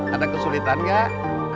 ada kesulitan gak